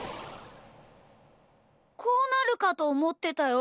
こうなるかとおもってたよ。